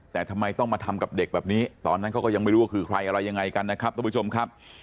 แต่ทำไมต้องมาทำกับเด็กแบบนี้ตอนนั้นเขาก็ยังไม่รู้ว่าคือใครอะไรยังไงกันนะครับทุกผู้ชมครับ